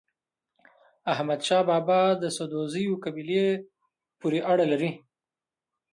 احمد شاه بابا د سدوزيو قبيلې پورې اړه لري.